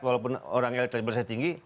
walaupun orang elektabilitasnya tinggi